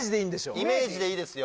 イメージでいいですよ